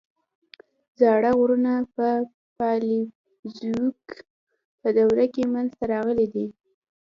زاړه غرونه په پالیوزویک په دوره کې منځته راغلي دي.